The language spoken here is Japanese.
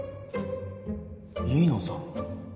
飯野さん？